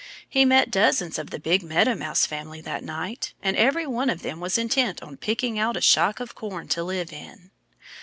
He met dozens of the big Meadow Mouse family that night. And every one of them was intent on picking out a shock of corn to live in.